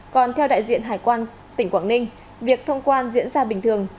còn theo đại diện hải quan tỉnh quảng ninh việc thông quan diễn ra bình thường